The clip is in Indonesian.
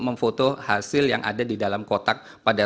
memfoto hasil yang ada di dalam kotak pada